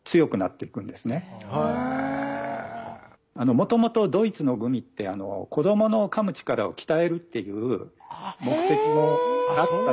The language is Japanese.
もともとドイツのグミって子どものかむ力を鍛えるっていう目的もあったって言われてますので。